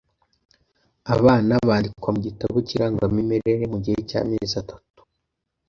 abana bandikwa mu gitabo cy’irangamimere mu gihe cy’amezi atatu